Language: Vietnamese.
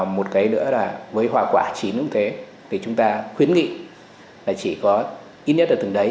một cái nữa là với hoa quả chín cũng thế thì chúng ta khuyến nghị là chỉ có ít nhất ở tầng đấy